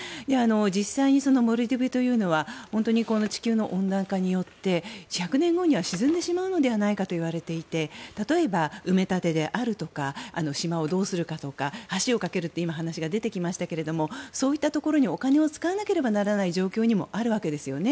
実際にモルディブというのは地球の温暖化によって１００年後には沈んでしまうのではといわれていて例えば埋め立てであるとか島をどうするかとか橋を架けるって話が出てきましたがそういったところにお金を使わなければいけない状況にもあるわけですよね。